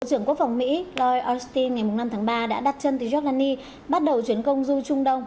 bộ trưởng quốc phòng mỹ lloyd austin ngày năm tháng ba đã đặt chân từ joglani bắt đầu chuyến công du trung đông